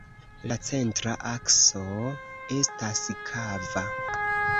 La centra akso estas kava.